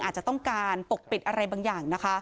อาจจะต้องการปกปิดอะไรบางอย่างนะคะ